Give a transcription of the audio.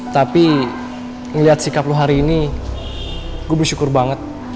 tapi ngeliat sikap lo hari ini gue bersyukur banget